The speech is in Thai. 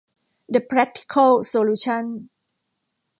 เดอะแพรคทิเคิลโซลูชั่น